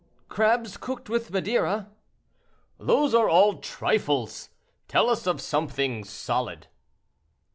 "Crabs cooked with Madeira." "Those are all trifles; tell us of something solid."